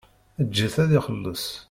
Eǧǧ-it ad t-ixelleṣ.